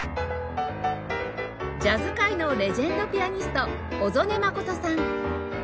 ジャズ界のレジェンドピアニスト小曽根真さん